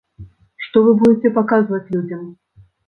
Што вы будзеце паказваць людзям?